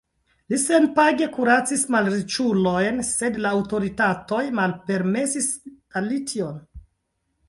Li senpage kuracis malriĉulojn, sed la aŭtoritatoj malpermesis al li tion.